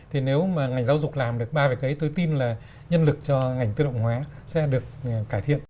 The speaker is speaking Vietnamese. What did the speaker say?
thì nếu mà ngành giáo dục làm được ba về cái tôi tin là nhân lực cho ngành tự động hóa sẽ được cải thiện